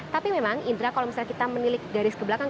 tapi memang indra kalau misalnya kita menilik dari sebelah kanan